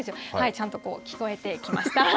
ちゃんと聞こえてきました。